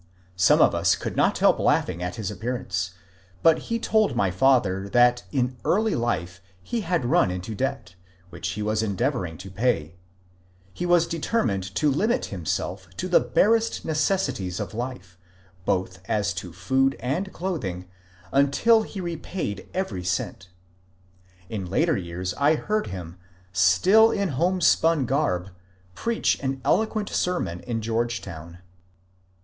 Some of us could not help laughing at his appearance ; but he told my father that in early life he had run into debt, which he was endeavouring to pay : he was de termined to limit himself to the barest necessities of life, both as to food and clothing, until he had repaid every cent. In later years I heard him — still in homespun garb — preach an eloquent sermon in Georgetown.